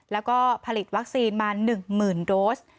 แล้วก็ผลิตวัคซีนมา๑๐๐๐โดส